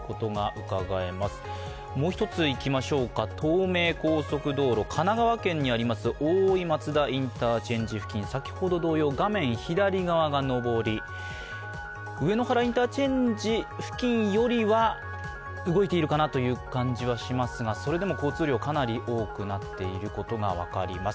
うかがえます、東名高速道路、神奈川県にある大井松田インターチェンジ付近先ほど同様画面左側が上り上野原インターチェンジ付近よりは動いているかなという感じはしますがそれでも交通量はかなり多くなっていることが分かります。